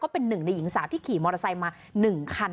ก็เป็น๑ในหญิงสาวที่ขี่มอเตอร์ไซส์มา๑คัน